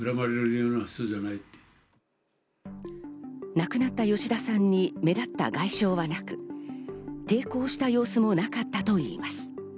亡くなった吉田さんに目立った外傷はなく、抵抗した様子もなかったといいます。